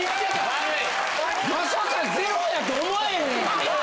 まさかゼロやと思えへんやんか。